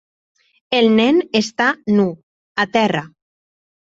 El nen està nu, a terra.